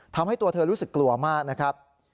ทำให้ตัวเธอรู้สึกกลัวมากนะครับ